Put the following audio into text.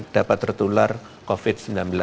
dapat tertular covid sembilan belas